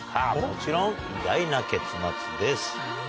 もちろん意外な結末です。